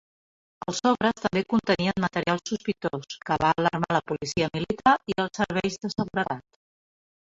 Els sobres també contenien material sospitós, que va alarmar la policia militar i els serveis de seguretat.